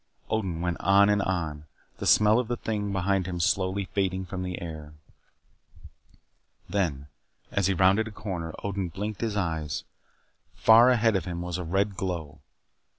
Odin went on and on, and the smell of the thing behind him slowly faded from the air. Then, as he rounded a corner, Odin blinked his eyes. Far ahead of him was a red glow.